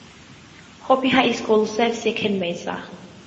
Hopi High School serves Second Mesa.